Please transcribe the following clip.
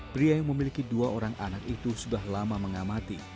pria yang memiliki dua orang anak itu sudah lama mengamati